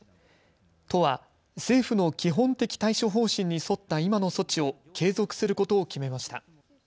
都は政府の基本的対処方針に沿った今の措置を継続することを決めました。